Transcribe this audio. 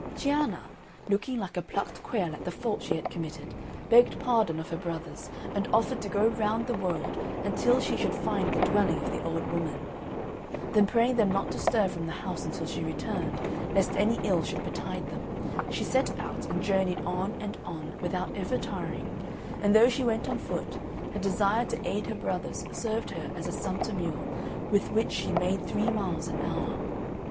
Cianna, looking like a plucked quail at the fault she had committed, begged pardon of her brothers, and offered to go round the world until she should find the dwelling of the old woman. Then praying them not to stir from the house until she returned, lest any ill should betide them, she set out, and journeyed on and on without ever tiring; and though she went on foot, her desire to aid her brothers served her as a sumpter mule, with which she made three miles an hour.